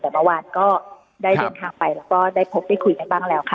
แต่เมื่อวานก็ได้เดินทางไปแล้วก็ได้พบได้คุยกันบ้างแล้วค่ะ